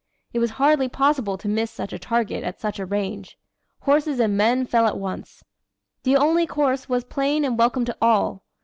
It was hardly possible to miss such a target at such a range. Horses and men fell at once. The only course was plain and welcome to all.